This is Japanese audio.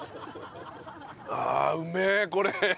あうめえこれ。